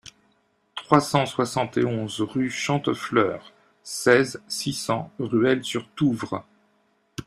trois cent soixante et onze rue Chantefleur, seize, six cents, Ruelle-sur-Touvre